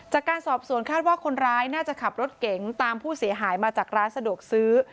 จากการสอบสวนคาดว่าคนร้ายน่าจะขับรถเก๋งตามผู้เสียหายมาจากร้านสะดวกซื้อ